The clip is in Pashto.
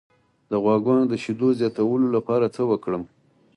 د غواګانو د شیدو زیاتولو لپاره څه وکړم؟